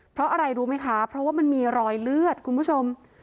เพราะอะไรรู้ไหมคะเพราะว่ามันมีรอยเลือดคุณผู้ชม